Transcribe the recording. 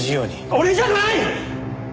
俺じゃない！！